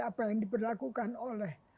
apa yang diperlakukan oleh